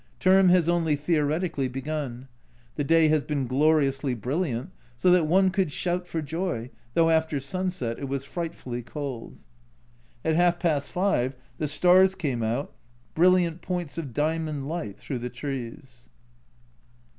Term has only theoretically begun. The day has been gloriously brilliant, so that one could shout for joy, though after sunset it was frightfully cold. At half past five the stars came out, brilliant points of diamond light through the trees.